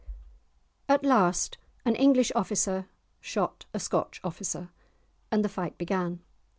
At last an English officer shot a Scotch officer, and the fight began.